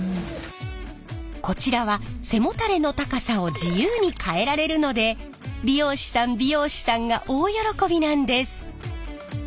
こちらは背もたれの高さを自由に変えられるので理容師さん美容師さんが大喜びなんです。